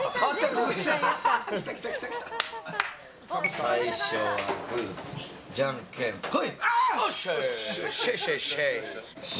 最初はグー、じゃんけんぽい！